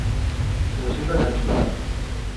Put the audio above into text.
我现在才知道